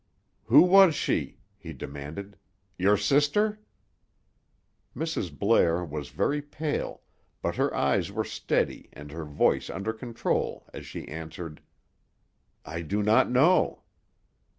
"Who was she?" he demanded. "Your sister?" Mrs. Blair was very pale, but her eyes were steady and her voice under control as she answered: "I do not know."